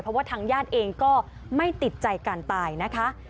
เพราะว่าทางญาติเองก็ไม่ติดใจการตายนะคะ